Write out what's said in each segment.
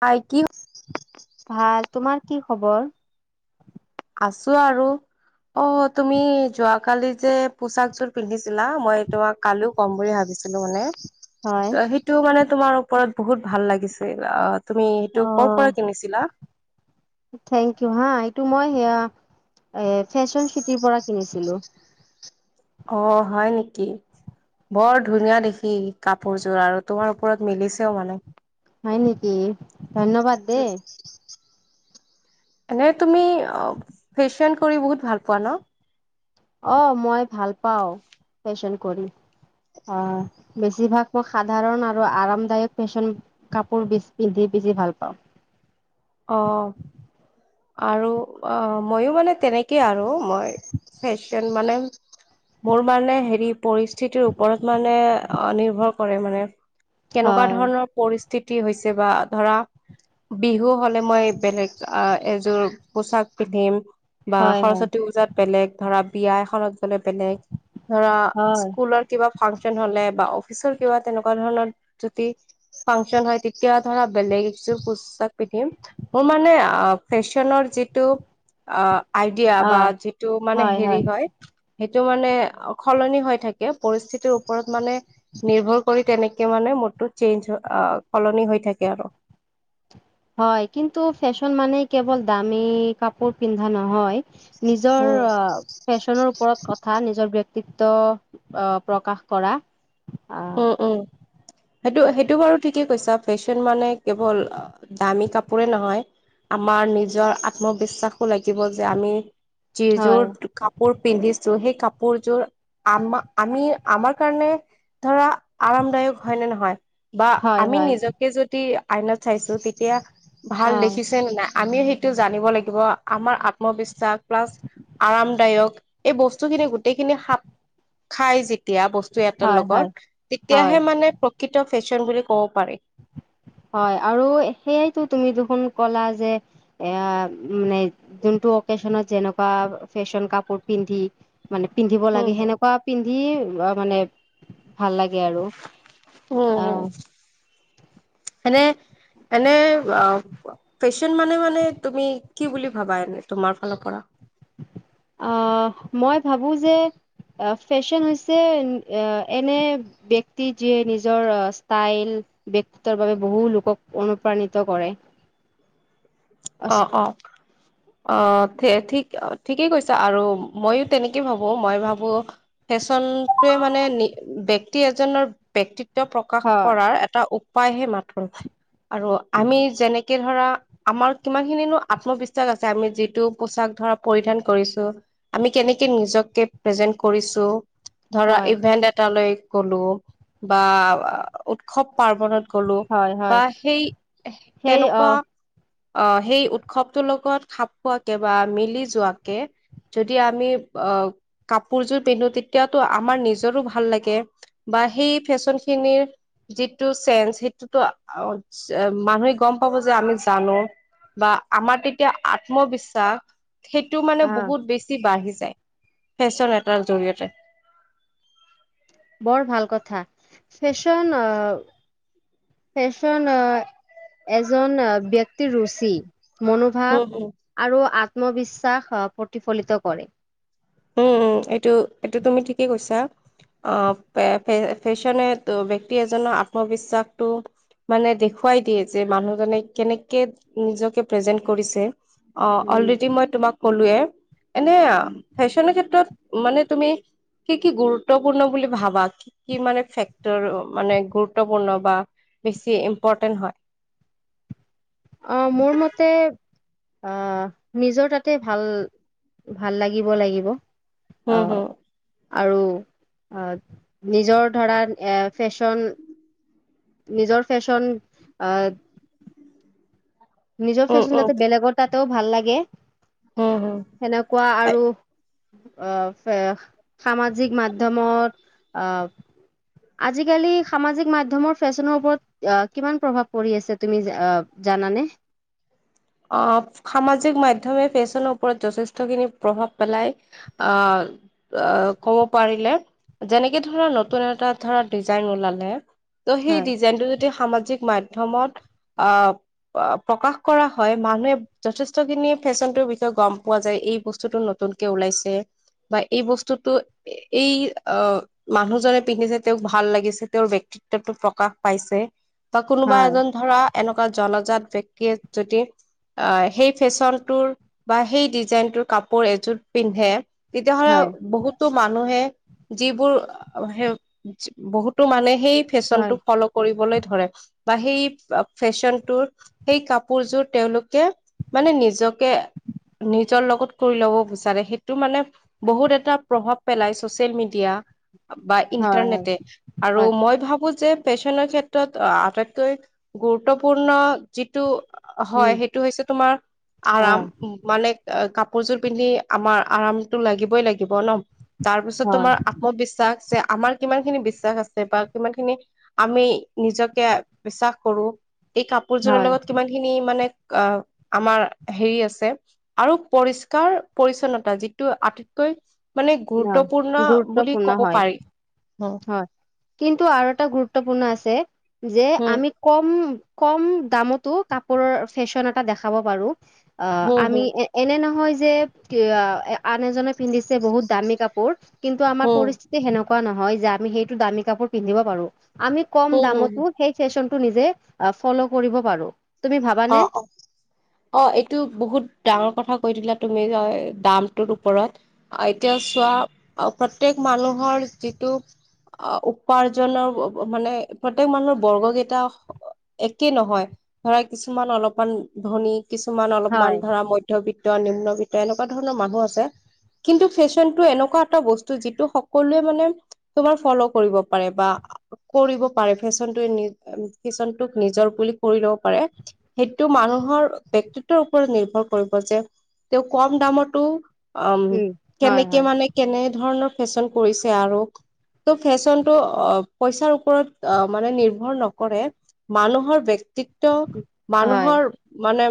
হয় কি ভাল তোমাৰ কি খবৰ? আছো আৰু অ' তুমি যোৱাকালি যে পোচাকোৰ পিন্ধিছিলা মই তোমাক কালো ক'ম বুলি ভাবিছিলো মানে ত হয়। স সটো মানে তোমাৰ ওপৰত বহুত ভাল লাগিছিল অ' তুমি সেইটো কৰ' অ', পৰা কিনিছিলা? থেংক ইউ হা এইটো মই সেয়া এ ফেশ্বন চিটিৰ পৰা কিনিছিলো। অ' হয় নেকি। বৰ ধুনীয়া দেখি কাপোৰযোৰ আৰু তোমাৰ ওপৰত মিলিছেও মানে। হয় নেকি ধন্যবাদ দেই। এনেই তুমি ফেশ্বন কৰি বহুত ভাল পোৱা ন'? অ' মই ভাল পাওঁ ফেশ্বন কৰি আহ। বেছিভাগ মই সাধাৰণ আৰু আৰামদায়ক ফেশ্বন কাপোৰ পিন্ধি বেছি ভাল পাওঁ। অ'। আৰু ময়ো মানে তেনেকেই আৰু মই ফেশ্বন মানে মোৰ মানে হেৰি পৰিস্থিতিৰ ওপৰত মানে নিৰ্ভৰ কৰে মানে কেনেকুৱা হয়, ধৰণৰ পৰিস্থিতি হৈছে বা ধৰা বিহু হলে মই বেলেগ এযোৰ পোচাক পিন্ধিম বা হয়, হয়, সৰস্বতী পওজাত বেলেগ ধৰা বিয়া এখনত গলে বেলেগ ধৰা হয়, স্কুলত কিবা ফাংচন হলে বা অফিচৰ কিবা তেনেকুৱা ধৰণৰ যদি ফাংচন হয় তেতিয়া ধৰা বেলেগয পোচাক পিন্ধিম মোৰ মানে ফেশ্বনৰ যিটো আইডিয়া বা অ', যিটো মানে হেৰি হয়। সেইটো মানে সলনি হৈ থাকে পৰিস্থিতিৰ ওপৰত মানে নিৰ্ভৰ কৰি তেনেকে মানে মদতো চেঞ্জ সলনি হৈ থাকে আৰু। হয় কিন্তু ফেশ্বন মানে কেৱল দামী কাপোৰ পিন্ধা নহয়। নিজৰ উম ফেশ্বনৰ ওপৰত কথা নিজৰ ব্য়ক্তিত্ব আহ প্ৰকাশ কৰা আহ উম, উম। সেইটো সেইটো বাৰু ঠিকেই কৈছা ফেশ্বন মানে কেৱল দামী কাপোৰে নহয়। আমাৰ নিজৰ আত্মবিশ্বাসো লাগিব যে আমি হয়, যিযোৰ কোৰ পিন্ধিছো সেই কাপোৰযোৰ আম আমি আমাৰ কাৰণে ধৰা আৰামদায়ক হয় নে নহয় বা হয়, আমি হয়, নিজক যদি আইনত চাইছো তেতিয়া ভাল অ', দেখিছে নে নাই আমিও শ টো জানিব লাগিব। আমাৰ আত্মবিশ্বাস প্লাছ আৰামদায়ক। এই বস্তুখিনি গোটেইখিনি খাপ খাই যেতিয়া বস্তু এটাৰ হয়, হয়, লগত, হয়, তেতিয়াহে মানে প্ৰকৃত ফেশ্বন বুলি ক'ব পাৰি। হয়, আৰু সেইটো তুমি দেখোন ক'লা যে এ মানে যোনটো অকেচনত যেনেকুৱা ফেশ্বন কাপোৰ পিন্ধি মানে পিন্ধিব উম লাগে সেনেকুৱা পিন্ধি মানে ভাল লাগে আৰু। উম উম। অ'। মানে মানে ফেশ্বন মানে মানে তুমি কি বুলি ভাবা এনে তোমাৰ ফালৰ পৰা? আহ মই ভাবো যে অ', ফেশ্বন হৈছে এ এনে ব্যক্তি যিয়ে নিজৰ ষ্টাইল ব্যক্তিত্বৰ বাবে বহু লোকক অনুপ্ৰাণিত কৰে। অ', অ'। অ', ঠিক ঠিকেই কৈছা। আৰু ময়ো তেনেকে ভাবো। মই ভাবো ফেশ্বনটোৱে মানে নি ব্যক্তি এজনৰ ব্যক্তিত্ব প্ৰকাশ হয় কৰাৰ এটা উপ উপাইহে মাথোন। আৰু আমি যেনেকে ধৰা আমাৰ কিমানখিনিনো আত্মবিশ্বাস আছে আমি যিটো পোচাক ধৰা পৰিধান কৰিছো। আমি কেনেকে নিজকে প্ৰেজেন্ট কৰিছো। ধৰা হয় ইভেন্ট এটালৈ গ'লো বা উৎসৱ-পাৰ্বনত গ'লো হয় হয় বা সেই সেই তেনেকুৱা আহ অহ, সেই উৎসৱটোৰ লগত খাপ খোৱাকে বা মিলি যোৱাকে যদি আমি অহ, কাপোৰযোৰ পিন্ধো তেতিয়াতো আমাৰ নিজৰো ভাল লাগে। বা সেই ফেশ্বনখিনিৰ যিটো চেঞ্জ সেইটোতো অ', মানুহে গম পাব যে আমি জানো বা আমাৰ তেতিয়া আত্মবিশ্বাস সেইটো মানে আহ বহুত বেছি ছি বাঢ়ি যায় ফেশ্বন এটাৰ জৰি়য়তে। বৰ ভাল কথা। ফেশ্বন অহ ফেশ্বন অ', এজন ব্যক্তিৰ ৰুচি। হম মনোভাৱ হম আৰু আত্মবিশ্বাস প্ৰতিফলিত কৰে। উম, এইটো এইটো তুমি ঠিকেই কৈছা। অহ, পে ফে ফেশ্বনেটো ব্যক্তি এজনৰ আত্মবিশ্বাসটো মানে দেখুৱাই দিয়ে যে মানুহজনে কেনেকে নিজকে প্ৰেজেন্ট কৰিছে। অ', উম অলৰেডি মই তোমাক ক'লোয়ে। এনে ফেশ্বনৰ ক্ষেত্ৰত মানে তুমি কি কি গুৰুত্বপূৰ্ণ বুলি ভাবা? কি কি মানে ফেক্টৰ মানে গুৰুত্বপূৰ্ণ বা বেছি ইম্পৰ্টেন্ট হয়? অহ, মোৰ মতে অহ, নিজৰ তাতে ভাল ভাল লাগিব লাগিব। উম, অহ। হম, আৰু অ', নিজৰ ধৰা এ ফেশ্বন নিজৰ ফেশ্বন অহ নিজৰ উম, ফেশ্বন উম, যাতে বেলেগৰ তাতেও ভাল লাগে। হম হম। সেনেকুৱা আৰু। অহ ফে সামাজিক মাধ্যমত অহ আজিকালি সামাজিক মাধ্যমৰ ফেশ্বনৰ ওপৰত কিমান প্ৰভাৱ পৰি আছে? তুমি জা জানানে? অহ, সামাজিক মাধ্যমে ফেশ্বনৰ ওপৰত যথেষ্টখিনি প্ৰভাৱ পেলায়। অ'। অ', ক'ব পাৰিলে যেনেকে ধৰা নতুন এটা ধৰা ডিজাইন ওলালে তো সেই হয় ডিজাইনটো যদি সামাজিক মাধ্যমত অহ, প্ৰকাশ কৰা হয় মানুহে যথেষ্ট খিনি ফেশ্বনটোৰ বিষয়ে গম পোৱা যায় এই বস্তুটো নতুনকে ওলাইছে। বা এই বস্তুটো। এই অ মানুহজনে পিন্ধিছে তেওঁক ভাল লাগিছে তেওঁৰ ব্যক্তি [unintelligible] টো প্ৰকাশ পাইছে বা কোনোবা হয় এজন ধৰা এনেকুৱা জনজাত ব্যক্তিয়ে। যদি। আহ সেই ফেশ্বনটোৰ বা সেই ডিজাইনটোৰ কাপোৰ এযোৰ পিন্ধে। তেতিয়াহ'লে হয় বহুত। [unintelligible] মানুহে যিবোৰ [unintelligible] বহুতো মানে সেই হয় ফেশ্বনটো ফলোঁ। কৰিবলৈ ধৰে বা সেই ফেশ্বনটোৰ সেই কাপ পোৰযোৰ তেওঁলোকে মানে নিজকে। নিজৰ লগত কৰি ল'ব বিচাৰে সেইটো মানে। বহুত এটা প্ৰভাৱ পেলাই ছচিয়েল মিডিয়া বা হয় হয় ইন্টাৰনেটে। আৰু হয় মই ভাবো যে ফেশ্বনৰ ক্ষেত্ৰত আটাইতকৈ। গুৰুত্বপূৰ্ণ যিটো। হয় উম সেইটো হৈছে তোমাৰ অ আৰাম মানে। অ কাপোৰযোৰ পিন্ধি আমাৰ আৰামটো লাগিবই লাগিব নহ তাৰ পিছত হয় তোমাৰ। ত্মবিশ্বাস যে আমাৰ কিমান খিনি বিশ্বাস আছে বা কিমান খিনি। আমি নিজকে বিশ্বাস কৰোঁ এই কাপোৰযোৰৰ হয় লগত কিমান। খিনি মানে আমাৰ হেৰি আছে। আৰু পৰিষ্কাৰ পৰিচ্ছন্নতা যিটো আটাইতকৈ। মানে অ গুৰুত্বপূৰ্ণ বুলি গুৰুত্বপূৰ্ণ ক'ব হয় পাৰি অ। হয় কিন্তু আৰু এটা গুৰুত্বপূৰ্ণ আছে যে হম আমি। কম, কম দামতো কাপোৰৰ ফেশ্বন এটা দেখাব পাৰোঁ। অ হম আমি হম এ-এনে নহয় যে আন এজনে পিন্ধিছে বহুত। দামী কাপোৰ কিন্তু আমাৰ হম পৰিস্থিত [unintelligible] সেনেকুৱা নহয় যে আমি সেইটো দামী কাপোৰ পিন্ধিব পাৰোঁ আমি কম হম হম দামতো। সেই ফেশ্বনটো নিজে ফ'ল' কৰিব পাৰোঁ। অ, অ। অ এইটো বহুত ডাঙৰ কথা কৈ দিলা তুমি অ দামটোৰ ওপৰত। এতিয়া চোৱা প্ৰত্যেক মানুহৰ যিটো। অ উপাৰ্জনৰ মানে প্ৰত্যেক মানুহৰ বৰ্গ কেইটা। একে নহয় ধৰা কিছুমান অলপমান ধনী কিছুমান হয়। অলপমান ধৰা মই বৃত্ত নিম্নবৃত্ত এনেকুৱা ধৰণৰ মানুহ আছে। কিন্তু ফেশ্বনটো এনেকুৱা এটা বস্তু যিটো সকলোৱে মানে। তোমাৰ ফ'ল' কৰিব পাৰে বা। কৰিব পাৰে ফেশ্বনটোৱে [unintelligible] ফেশ্বনটোক নিজৰ বুলি কৰি ল'ব পাৰে। সেইটো মানুহৰ বক্তিত্বৰ ওপৰত নিৰ্ভৰ কৰিব যে তেওঁ কম দামতো। উম হয় হয় কেনেকে মানে কেনে ধৰণৰ ফেশ্বন কৰিছে আৰু। ত' ফেশ্বনটো অ পইচাৰ ওপৰত অ মানে নিৰ্ভৰ নকৰে। মানুহৰ বক্তিত্ব হয় মানুহৰ। মানে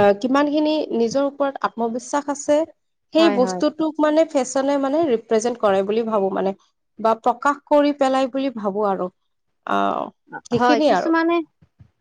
আহ কিমানখিনি নিজৰ ওপৰত আত্মবিশ্বাস আছে। সেই হয় হয় বস্তুটোক মানে ফেশ্বনে মানে ৰিপ্ৰেজেন্ট কৰে বুলি ভাবো মানে। বা প্ৰকাশ কৰি পেলাই বুলি ভাবো আৰু আ। হয় কিছুমানে,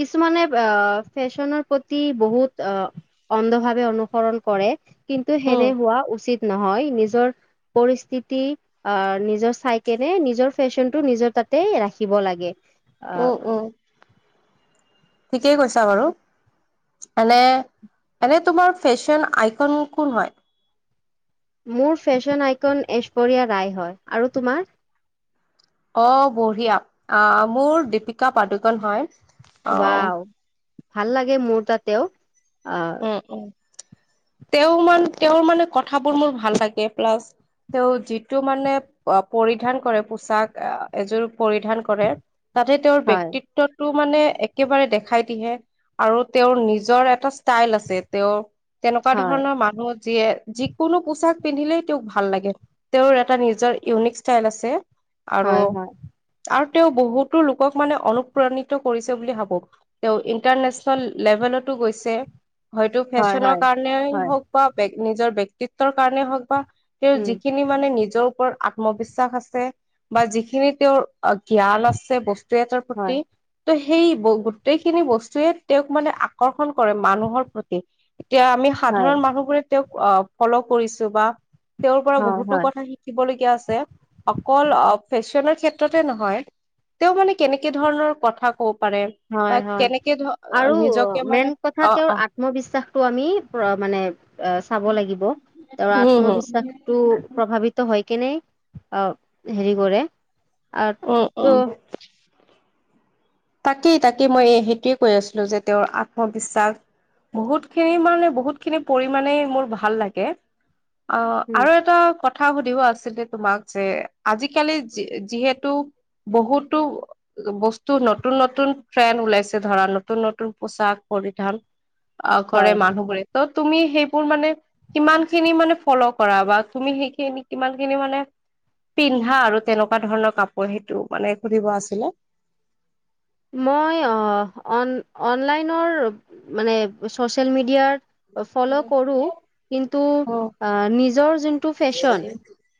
কিছুমানে আহ ফেশ্বনৰ প্ৰতি বহুত অহ। অন্ধভাৱে অনুসৰণ কৰে কিন্তু উম সেনে হোৱা উচিত নহয় নিজৰ। পৰিস্থিতি। আহ নিজৰ চাই কেনে নিজৰ ফেশ্বনটো নিজৰ তাতে ৰাখিব লাগে। আহ উম উম। ঠিকেই কৈছা বাৰু। এনে এনে তোমাৰ ফেশ্বন আইকন কোন হয়। মোৰ ফেশ্বন আইকন ঐশ্বৰিয়া ৰায় হয় আৰু তোমাৰ? অ', বঢ়িয়া আহ মোৰ দীপিকা পাদুকন হয়। অ ৱাও ভাল লাগে মোৰ তাতেও অ, উম উম, তেওঁ মান তেওঁৰ মানে কথাবোৰ মোৰ ভাল লাগে প্লাছ তেওঁ যিটো মানে পৰিধান কৰে পোচাক এযোৰ পৰিধান কৰে তাতে তেওঁৰ হয় ব্যক্তিটো মানে একেবাৰে দেখাই দিহে আৰু তেওঁৰ নিজৰ এটা ষ্টাইল আছে তেওঁৰ তেনেকুৱা হয় ধৰণৰ মানুহ যিয়ে যি কোনো পোচাক পিন্ধিলেই তেওঁক ভাল লাগে, তেওঁৰ এটা নিজৰ ইউনিক ষ্টাইল আছে। আৰু হয় হয় আৰু তেওঁ বহুতো লোকক মানে অনুপ্ৰণিত কৰিছে বুলি ভাবো। তেওঁ ইণ্টাৰনেশ্যনেল লেভেলতো গৈছে। হয়তো হয় ফেশ্বনৰ হয় কাৰণেই হয় হওক বা নিজৰ বক্তিত্বৰ কাৰণেই হওক বা তেওঁৰ উম যিখিনি মানে নিজৰ ওপৰত আত্মবিশ্বাস আছে, বা যিখিনি তেওঁৰ জ্ঞান আছে বস্তু [unintelligible] হয় প্ৰতি ত' সেই গোটেইখিনি বস্তুয়ে তেওঁক মানে আকৰ্ষণ কৰে মানুহ প্ৰতি, এতিয়া আমি হয় সাধাৰণ মানুহবোৰে তেওঁক আ, ফল' কৰিছো বা তেওঁৰ পৰা হয় বহুতো হয় কথা শিক শিকিবলগীয়া আছে অকল ফেশ্বনৰ ক্ষেত্ৰতে নহয় তেওঁ মানে কেনেকে ধৰণৰ কথা কব পাৰে বা হয়, হয়, কেনেকে ধ আৰু নিজকে মানে মেইন কথা অ তেওঁৰ অ আত্ম বিশ্বাসটো আমি মানে আ, চাব লাগিব তেওঁৰ উম হম আত্মবিশ্বাসটো প্ৰভাৱিত ত' হয় কেনে অ, হেৰি কৰে আৰু উম উম তো তাকেই তাকেই মই সেইটোৱে কৈ আছিলোঁ যে তেওঁৰ আত্মবিশ্বাস বহুত খিনি মানে বহুত খিনি পৰিমাণে, মোৰ ভাল লাগে অ', আৰু এটা কথা কথা সুধিব আছিলে তোমাক যে আজিকালি যিহেতু বহুতো বস্তু ন নতুন নতুন ট্ৰেন ওলাইছে ধৰা নতুন নতুন পোচাক পৰিধান অ', কৰে হয় মানুহবোৰে ত' তুমি সেইবোৰ মানে কিমান খিনি মানে ফল' কৰা বা তুমি সেইখিনি কিমান খিনি মানে পিন্ধা আৰু তেনেকুৱা ধৰণৰ কাপোৰ সেইটো মানে সুধিব আছিলে। মই অন, অনলাইনৰ মানে ছ'চিয়েল মিডিয়াৰ ফল' কৰো কিন্তু অ নিজৰ যোনটো ফেশ্বন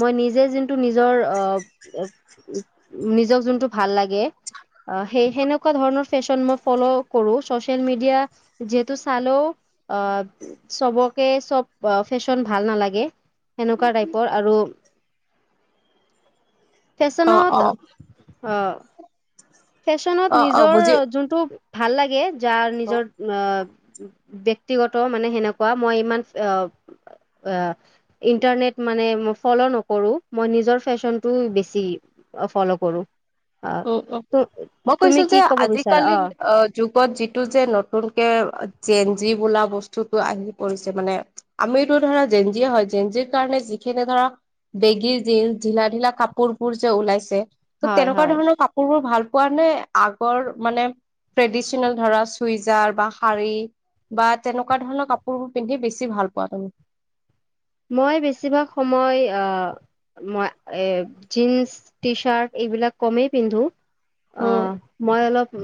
মই নিজে যোনটো নিজৰ অ, নিজক যোনটো ভাল লাগে [inaudible] আ, সেই সেনেকুৱা ধৰণৰ ফেশ্বন মই ফ'ল' কৰো ছ'চিয়েল মিডিয়া যিহেতু চালেও আ, চবকে চব ফেশ্বন ভাল নালাগে সেনেকুৱা টাইপৰ আৰু [inaudible] অ ফেশ্বনত আ, ফেশ্বনত অ অ নিজৰ বুজি যোনটো ভাল লাগে যাৰ উম নিজৰ আ, ব্যয়ক্তিগত মানে সেনেকুৱা মই ইমান আ, আ ইণ্টাৰনেট মানে মই ফ'ল' নকৰো, মই নিজৰ ফেশ্বনটো বেছি অ, ফল' কৰো আ, উম, উম, তু মই তুমি কৈছো কি যে ক'ব বিচাৰা আজিকালি অ আ, যুগত যিটো যে নতুনকে জেন জি বোলা বস্তুটো আহি পৰিছে মানে আমিটো ধৰা জেন জিয়ে হয়, জেন জিৰ কাৰণে যিখিনি ধৰা বেগিৰ জিন্স, ঢিলা ঢিলা কাপোৰবোৰ যে ওলাইছে ত' হয় তেনেকুৱা হয় কাপোৰ বোৰ ভাল পোৱা নে আগৰ মানে ট্ৰেডিচনেল ধৰা চুইজাৰ বা শাৰী বা তেনেকুৱা ধৰণৰ কাপোৰবোৰ পিন্ধি বেছি ভাল পোৱা তুমি। মই বেছিভাগ সময় আহ মই এ জিনন্স টি চাৰ্ট এইবিলাক কমেই পিন্ধো আহ উম। মই অলপ উ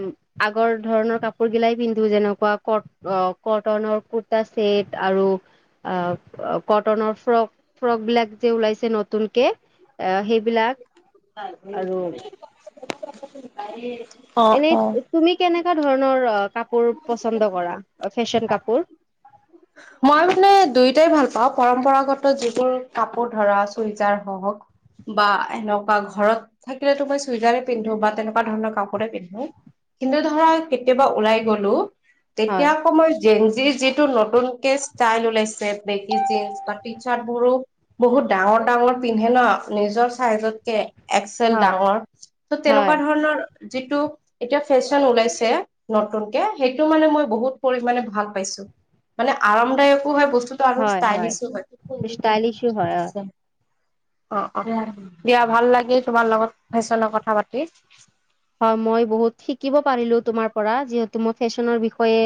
আগৰ ধৰণৰ কাপোৰ গিলাই পিন্ধো যেনেকুৱা ক অ', কটনৰ কুৰ্তা ছেট আৰু আহ কটনৰ ফ্ৰক ফ্ৰক বিলাক যে ওলাইছে নতুনকে এ সেইবিলাক আৰু [unintelligible] এনেই অ'। তুমি কেনেকা ধৰণৰ কাপোৰ পচন্দ কৰা ফেশ্বন কাপোৰ মই মানে দুয়োটাই ভাল পাওঁ পৰম্পৰাগত যিবোৰ কাপোৰ ধৰা চুইজাৰ হওঁক বা এনেকুৱা ঘৰত থাকিলেতো মই চুইজাৰে পিন্ধো বা তেনেকুৱা ধৰণৰ কাপোৰে পিন্ধো কিন্তু ধৰা কেতিয়াবা ওলাই গলো তেতিয়া হয় আকৌ মই যেনজিৰ যিটো নতুন ষ্টাইল ওলাইছে বেকি জিন্স টি চাৰ্ট বোৰো বহুত ডাঙৰ ডাঙৰ পিন্ধে ন নিজৰ চাইজতকে এক্সেল হয় ডাঙৰ ত' হয় তেনেকুৱা ধৰণৰ যিটো এতিয়া ফেশ্বন ওলাইছে নতুনকে সেইটো মানে মই বহুত পৰিমণে ভাল পাইছোঁ মানে আৰামদায়কো হয় বস্তুতটো আৰু ষ্টাইলিছো হয়। ষ্টাইলিছো হয় অ অ', অ', দিয়া ভাল লাগিল তোমাৰ লগত ফেশ্বনৰ কথা পাতি। হয়, মই বহুত শিকিব পাৰিলো তোমাৰ পৰা যিহেতু মই ফেশ্বনৰ বিষয়ে